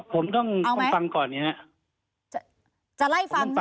ผมต้องเอาไหมต้องฟังก่อนอย่างนี้ฮะจะจะไล่ฟังใช่